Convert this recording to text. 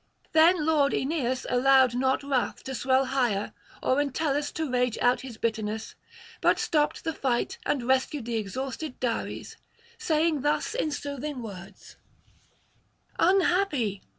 Then lord Aeneas allowed not wrath to swell higher or Entellus to rage out his bitterness, but stopped the fight and rescued the exhausted Dares, saying thus in soothing words: 'Unhappy!